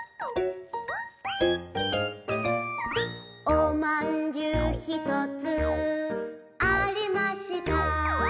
「おまんじゅうひとつありました」